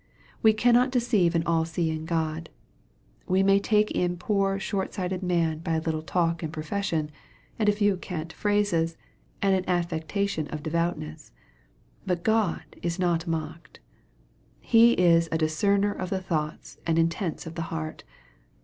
We cannot deceive an all seeing God. We may take in poor short sighted man by a little talk and profession, and a few cant phrases, and an affecta tion of devoutness. But God is not mocked. He is a discerner of the thoughts and intents of the heart.